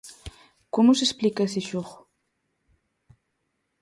Como se explica ese xogo?